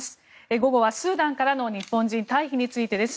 午後はスーダンからの日本人退避についてです。